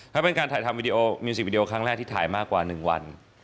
ถ้าเป็นการถ่ายทำวิดีโอมิวสิกวิดีโอครั้งแรกที่ถ่ายมากกว่า๑วัน